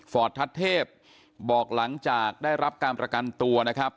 ทัศเทพบอกหลังจากได้รับการประกันตัวนะครับ